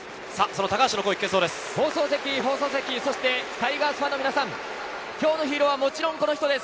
タイガースファンの皆さん、今日のヒーローはもちろんこの人です。